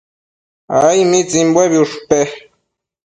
Ai. ¿mitsimbuebi ushpe?